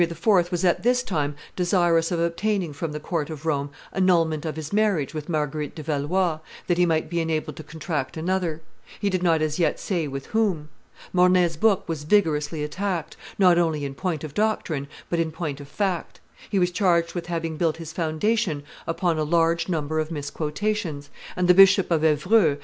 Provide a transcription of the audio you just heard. was at this time desirous of obtaining from the court of Rome annulment of his marriage with Marguerite de Valois, that he might be enabled to contract another; he did not as yet say with whom. Mornay's book was vigorously attacked, not only in point of doctrine, but in point of fact; he was charged with having built his foundation upon a large number of misquotations; and the Bishop of Evreux, M.